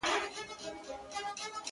ما یې په خوبونو کي سیندونه وچ لیدلي دي!